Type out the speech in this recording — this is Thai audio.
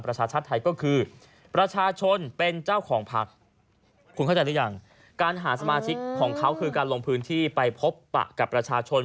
คุณเข้าใจหรือยังการหาสมาชิกของเขาคือการลงพื้นที่ไปพบปะกับประชาชน